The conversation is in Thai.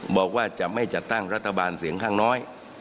บอกว่าจะไม่จัดตั้งรัฐบาลเสียงข้างน้อย